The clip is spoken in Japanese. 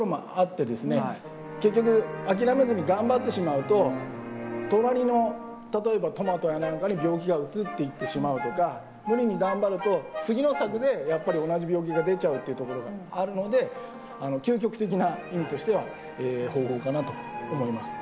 結局諦めずに頑張ってしまうと隣の例えばトマトや何かに病気がうつっていってしまうとか無理に頑張ると次の作でやっぱり同じ病気が出ちゃうっていうところがあるので究極的な意味としては方法かなと思います。